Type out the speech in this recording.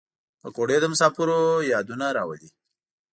پکورې د مسافرو یادونه راولي